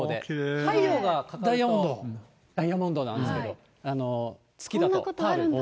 太陽はダイヤモンドなんですけど、月だとパール。